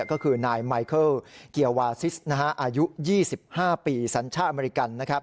ก็คือนายไมเคิลเกียร์วาซิสอายุ๒๕ปีสัญชาติอเมริกัน